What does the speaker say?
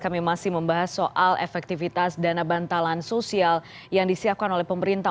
kami masih membahas soal efektivitas dana bantalan sosial yang disiapkan oleh pemerintah